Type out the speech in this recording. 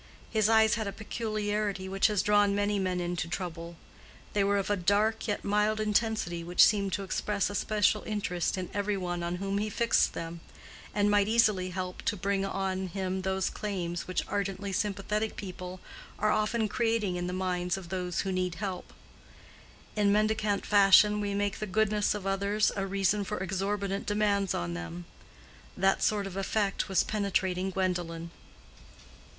His eyes had a peculiarity which has drawn many men into trouble; they were of a dark yet mild intensity which seemed to express a special interest in every one on whom he fixed them, and might easily help to bring on him those claims which ardently sympathetic people are often creating in the minds of those who need help. In mendicant fashion we make the goodness of others a reason for exorbitant demands on them. That sort of effect was penetrating Gwendolen.